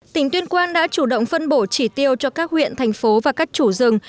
tỉnh tuyên quang đã chủ động phân bổ chỉ tiêu cho các huyện thành phố và các chủ rừng